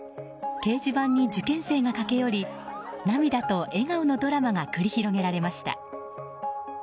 掲示板に受験生が駆け寄り涙と笑顔のドラマが繰り広げられました。